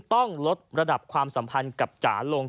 ต้องลดระดับความสัมพันธ์กับจ๋าลง